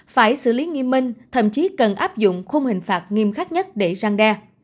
phải xử lý nghiêm minh thậm chí cần áp dụng khung hình phạt nghiêm khắc nhất để răng đe